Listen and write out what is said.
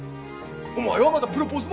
お前はまだプロポーズも。